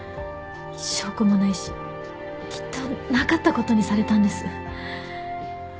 証拠もないしきっとなかったことにされたんです。